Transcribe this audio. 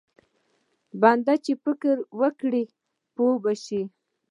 بنده چې فکر وکړي پوه به شي.